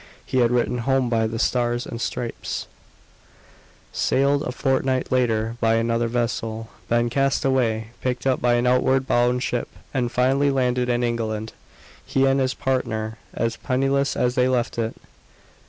He had written home by the "Stars and Stripes" sailed a fortnight later by another vessel been cast away picked up by an outward bound ship and finally landed in England, he and his partner, as penniless as they left it.